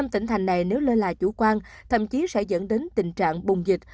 năm tỉnh thành này nếu lơ là chủ quan thậm chí sẽ dẫn đến tình trạng bùng dịch